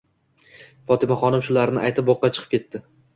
Fotimaxonim shularni aytib boqqa chiqib ketdi.